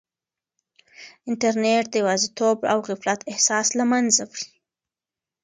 انټرنیټ د یوازیتوب او غفلت احساس له منځه وړي.